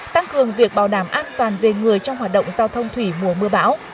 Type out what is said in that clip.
tăng cường việc bảo đảm an toàn về người trong hoạt động giao thông thủy mùa mưa bão